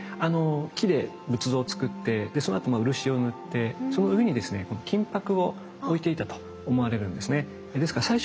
木で仏像をつくってそのあと漆を塗ってその上にですね金箔を置いていたと思われるんですね。